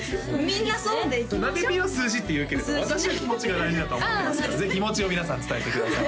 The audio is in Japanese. みんなそうでいきましょなべＰは数字って言うけれど私は気持ちが大事だと思ってますから気持ちを皆さん伝えてください